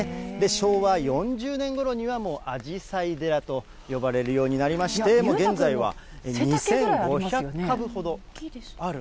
昭和４０年ごろには、もうあじさい寺と呼ばれるようになりまして、もう現在は２５００株ほどある。